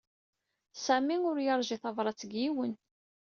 Sami ur yeṛji tabṛat seg yiwen.